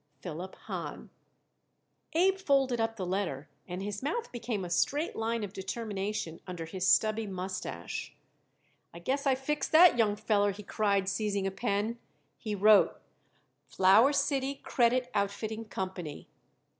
PHILIP HAHN. Abe folded up the letter, and his mouth became a straight line of determination under his stubby mustache. "I guess I fix that young feller," he cried, seizing a pen. He wrote: FLOWER CITY CREDIT OUTFITTING COMPANY.